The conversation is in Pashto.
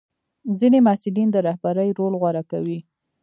ځینې محصلین د رهبرۍ رول غوره کوي.